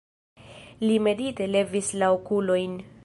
Li medite levis la okulojn.